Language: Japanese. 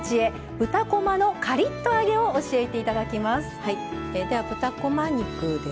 豚こまのカリッと揚げを教えていただきます。